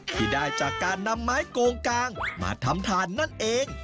ที่ได้จากการนำไม้โกงกางมาทำทานนั่นเอง